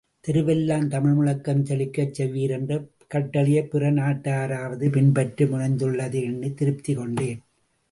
தெருவெல்லாம் தமிழ் முழக்கஞ் செழிக்கச் செய்வீர் என்ற கட்டளையைப் பிற நாட்டவராவது பின்பற்ற முனைந்துள்ளதை எண்ணித் திருப்தி கொண்டேன்.